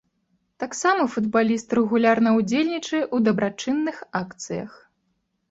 Таксама футбаліст рэгулярна ўдзельнічае ў дабрачынных акцыях.